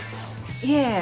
いえ